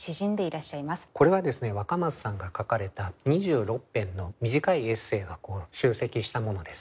これはですね若松さんが書かれた２６編の短いエッセーが集積したものです。